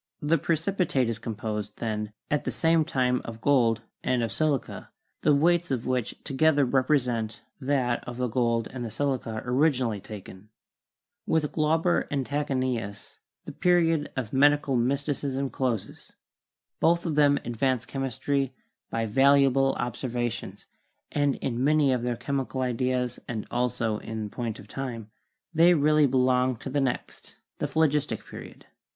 The precipitate is composed, then, at the same time of gold and of silica, the weights of which together represent that of the gold and of the silica originally taken." With Glauber and Tachenius the period of Medical Mysticism closes. Both of them advanced chemistry by valuable observations, and in many of their chemical ideas and also in point of time, they really belong to the next, the Phlogistic, Period.